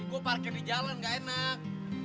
gue parkir di jalan gak enak